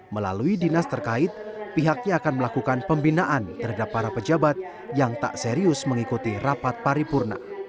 melalui dinas terkait pihaknya akan melakukan pembinaan terhadap para pejabat yang tak serius mengikuti rapat paripurna